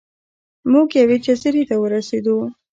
موږ یوې جزیرې ته ورسیدو.